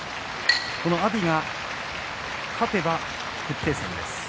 この阿炎が勝てば決定戦です。